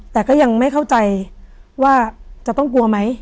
แต่ก็ยังไม่เข้าใจว่าจะต้องกลัวไหม